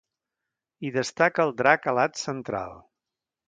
Hi destaca el drac alat central.